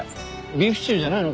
ビーフシチューじゃないの？